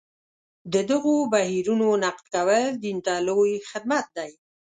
د دغو بهیرونو نقد کول دین ته لوی خدمت دی.